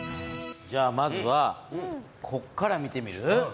じゃあまずはこっから見てみる？